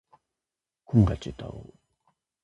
小村寿太郎